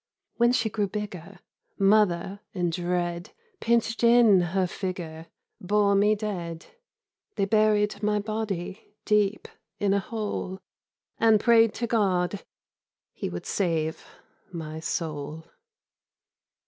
When she grew bigger, Mother in dread Pinched in her figure, Bore me dead. They buried my body Deep in a hole. And prayed to God He Would save my soul.